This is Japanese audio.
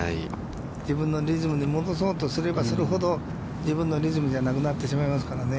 自分のリズムに戻そうとすればするほど自分のリズムじゃなくなってしまいますからね。